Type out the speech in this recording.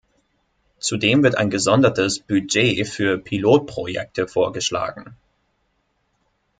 Zudem wird ein gesondertes Budget für Pilotprojekte vorgeschlagen.